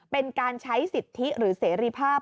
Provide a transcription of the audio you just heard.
เป็นการใช้สิทธิหรือเสรีภาพ